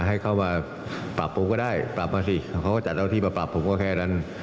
ให้เข้ามาปรับปรุงก็ได้ปรับมาสิเขาก็จัดเจ้าที่มาปรับผมก็แค่นั้น